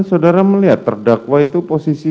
saudara melihat terdakwa itu posisi